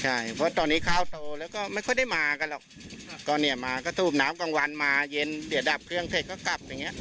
ใช่เพราะตอนนี้ข้าวโตแล้วก็ไม่ค่อยได้มากันหรอกก็เนี่ยมาก็สูบน้ำกลางวันมาเย็นเดี๋ยวดับเครื่องเสร็จก็กลับอย่างเงี้